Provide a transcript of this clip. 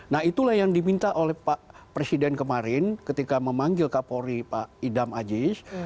nah itulah yang diminta oleh pak presiden kemarin ketika memanggil kapolri pak idam aziz